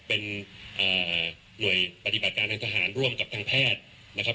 เป็นหน่วยปฏิบัติการทางทหารร่วมกับทางแพทย์นะครับ